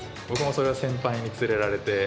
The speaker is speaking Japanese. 僕もそれは先輩に連れられて。